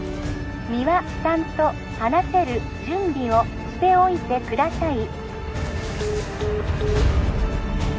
☎三輪さんと話せる準備をしておいてください